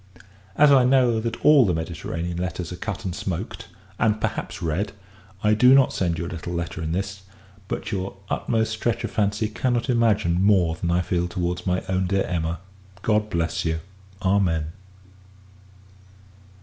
As I know that all the Mediterranean letters are cut and smoaked, and perhaps read, I do not send you a little letter in this; but your utmost stretch of fancy cannot imagine more than I feel towards my own dear Emma. God bless you! _Amen.